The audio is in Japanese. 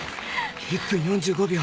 １分４５秒。